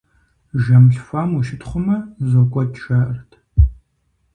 Жэм лъхуам ущытхъумэ, зокӀуэкӀ, жаӀэрт.